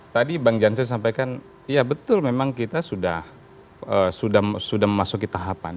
tadi bang jansen sampaikan ya betul memang kita sudah memasuki tahapan